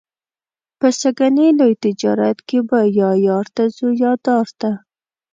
په سږني لوی تجارت کې به یا یار ته څو یا دار ته.